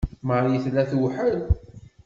Marie tella tewḥel.